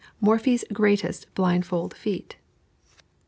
MORPHY'S GREATEST BLINDFOLD FEAT.